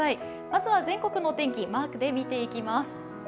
まずは全国のお天気、マークで見ていきます。